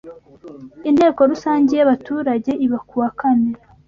Inteko rusange y’ abaturage iba kuwa kane